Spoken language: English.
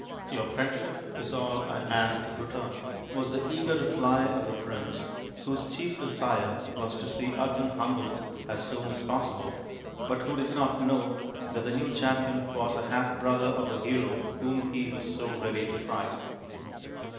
" Your friendship is all I ask in return/ 5 was the eager reply of the prince, whose chief desire was to see Arjun humbled as soon as possible, but who did not know that the new champion was a half brother of the hero whom he was so ready to fight.